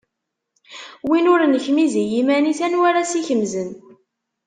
Win ur nekmiz i yiman-is, anwa ara as-ikemzen.